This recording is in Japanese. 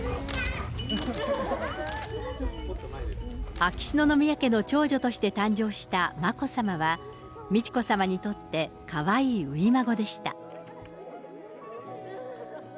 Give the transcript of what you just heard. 秋篠宮家の長女として誕生した眞子さまは、美智子さまにとってかわいい初孫でした。